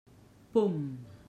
Pum!